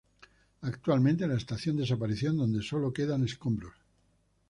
Actualmente la estación desapareció en donde solo quedan escombros.